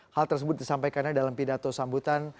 hal tersebut disampaikannya dalam pidato sambutan